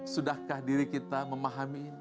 sudahkah diri kita memahami ini